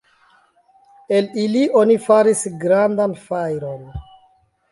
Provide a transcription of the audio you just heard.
El ili oni faris grandan fajron.